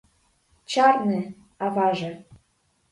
Чарне, аваже!